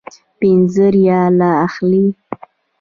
پنځه ریاله اخلي.